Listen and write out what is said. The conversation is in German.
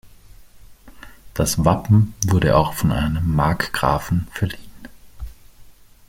Das Wappen wurde auch von einem Markgrafen verliehen.